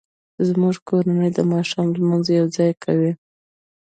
زموږ کورنۍ د ماښام لمونځ یوځای کوي